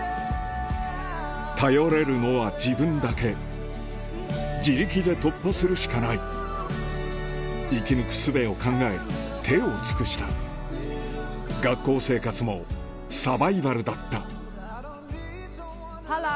頼れるのは自分だけ自力で突破するしかない生き抜くすべを考え手を尽くした学校生活もサバイバルだったＨｅｌｌｏ！